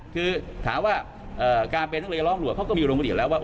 คือถามว่าการเป็นนักเรียนร้องห่วเขาก็มีโรงเรียนแล้วว่า